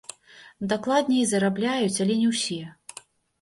Дакладней, зарабляюць, але не ўсе.